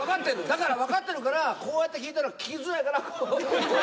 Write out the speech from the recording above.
だからわかってるからこうやって聞いたら聞きづらいから。